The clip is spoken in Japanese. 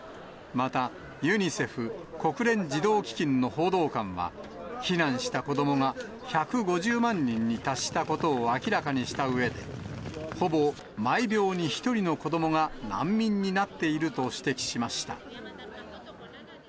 また、ユニセフ・国連児童基金の報道官は、避難した子どもが１５０万人に達したことを明らかにしたうえで、ほぼ毎秒に１人の子どもが難民になっていると指摘しました。